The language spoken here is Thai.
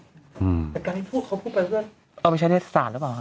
แต่การให้พวกเขาพูดแบบนั้นเอาไปใช้เทศศาสตร์หรือเปล่าค่ะ